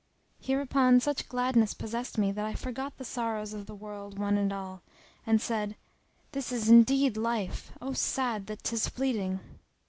Hereupon such gladness possessed me that I forgot the sorrows of the world one and all and said, "This is indeed life; O sad that 'tis fleeting!"